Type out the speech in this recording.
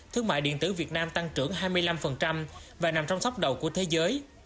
thương mại điện tử việt nam tăng trưởng hai mươi năm và nằm trong sóc đầu của thế giới